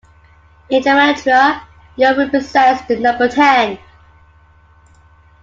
In gematria, Yud represents the number ten.